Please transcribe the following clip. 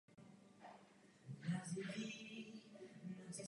Obývá jehličnaté a smíšené lesy nebo horské louky.